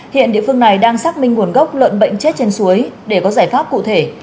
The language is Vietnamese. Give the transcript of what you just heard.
hiện địa phương này đang xác minh nguồn gốc lợn bệnh chết trên suối để có giải pháp cụ thể